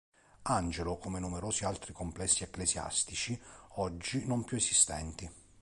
Angelo come numerosi altri complessi ecclesiastici, oggi non più esistenti.